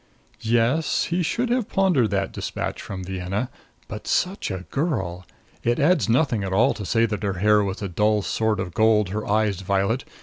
Yes; he should have pondered that despatch from Vienna. But such a girl! It adds nothing at all to say that her hair was a dull sort of gold; her eyes violet.